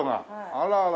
あらあら